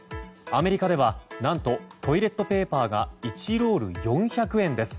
アメリカでは何とトイレットペーパーが１ロール４００円です。